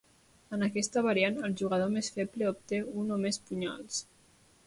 En aquesta variant, el jugador més feble obté un o més punyals.